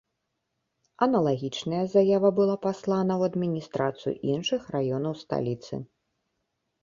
Аналагічная заява была паслана ў адміністрацыю іншых раёнаў сталіцы.